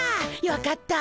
よかった。